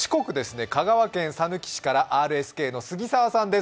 香川県さぬき市からＲＳＫの杉澤さんです。